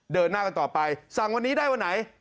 เดินหน้ากันต่อไปสั่งวันนี้ได้วันไหน